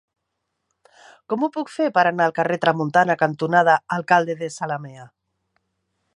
Com ho puc fer per anar al carrer Tramuntana cantonada Alcalde de Zalamea?